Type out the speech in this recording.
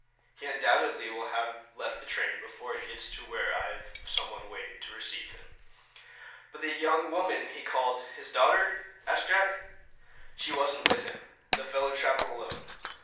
He undoubtedly will have left the train before it gets to where I have some one waiting to receive him." "But the young woman he called his daughter?" asked Jack "She wasn't with him. The fellow traveled alone.